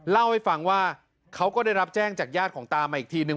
เล่าให้ฟังว่าเขาก็ได้รับแจ้งจากญาติของตามาอีกทีนึง